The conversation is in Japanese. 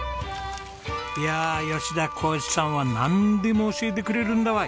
いや吉田幸一さんはなんでも教えてくれるんだわい。